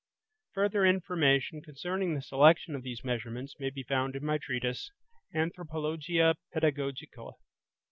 Further information concerning the selection of these measurements may be found in my treatise, "Antropologia Pedagogica".